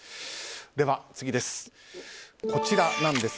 では、次です。